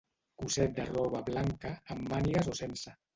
Cosset de roba blanca, amb mànigues o sense.